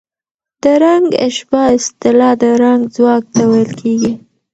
د رنګ اشباع اصطلاح د رنګ ځواک ته ویل کېږي.